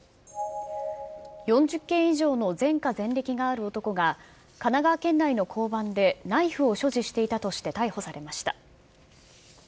４０件以上の前科前歴がある男が、神奈川県内の交番でナイフを所持していたとして逮捕されました。